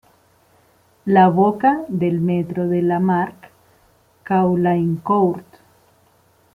La boca de metro de Lamarck-Caulaincourt.